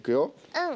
うん。